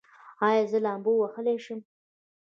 ایا زه لامبو وهلی شم؟